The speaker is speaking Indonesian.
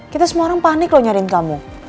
kita semua orang panik loh nyariin kamu